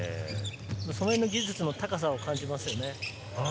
そのへんの技術の高さを感じますよね。